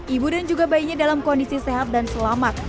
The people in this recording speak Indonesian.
ibu dan juga bayinya dalam kondisi sehat dan selamat